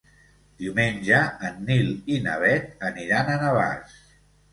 Diumenge en Nil i na Bet aniran a Navàs.